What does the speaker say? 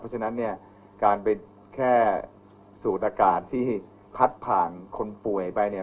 ฉะนั้นเนี่ยการไปแค่สูดอากาศที่พัดผ่านคนป่วยไปเนี่ย